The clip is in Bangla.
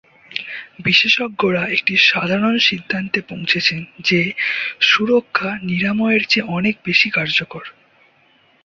বিশেষজ্ঞরা একটি সাধারণ সিদ্ধান্তে পৌঁছেছেন যে সুরক্ষা নিরাময়ের চেয়ে অনেক বেশি কার্যকর।